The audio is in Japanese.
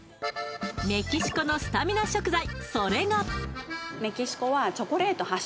メキシコのスタミナ食材